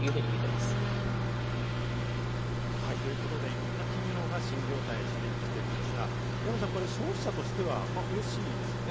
いろんな企業が新業態へチャレンジしているんですが、山ちゃん、消費者としてはうれしいですよね？